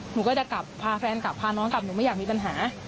หนูก็จะกลับพาแฟนกลับพาน้องกลับหนูไม่อยากมีปัญหา